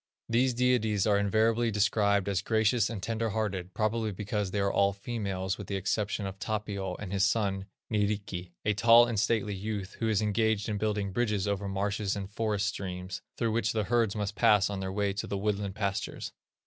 These deities are invariably described as gracious and tender hearted, probably because they are all females with the exception of Tapio and his son, Nyrikki, a tall and stately youth who is engaged in building bridges over marshes and forest streams, through which the herds must pass on their way to the woodland pastures.